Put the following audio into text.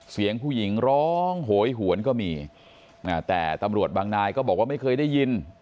เสียงผู้หญิงร้องโหยหวนก็มีแต่ตำรวจบางนายก็บอกว่าไม่เคยได้ยิน